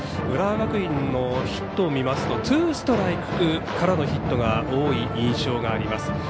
浦和学院のヒットを見るとツーストライクからのヒットが多い印象があります。